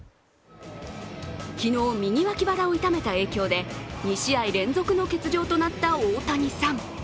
昨日、右脇腹を痛めた影響で２試合連続の欠場となった大谷さん。